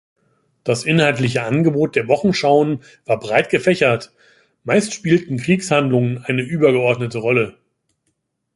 Das inhaltliche Angebot der Wochenschauen war breit gefächert; meist spielten Kriegshandlungen eine übergeordnete Rolle.